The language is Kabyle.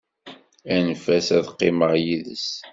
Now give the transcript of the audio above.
Anef-as, ad qqimeɣ yis-s.